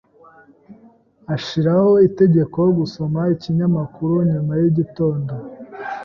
Ashiraho itegeko gusoma ikinyamakuru nyuma yigitondo.